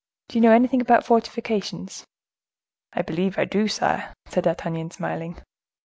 Do you know anything about fortifications?" "I believe I do, sire," said D'Artagnan, smiling.